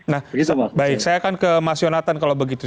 nah baik saya akan ke mas yonatan kalau begitu